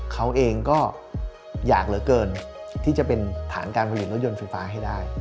เขาเองก็อยากเหลือเกินที่จะเป็นฐานการผลิตรถยนต์ไฟฟ้าให้ได้